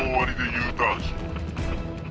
Ｕターン？